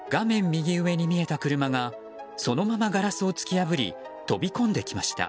右上に見えた車がそのままガラスを突き破り飛び込んできました。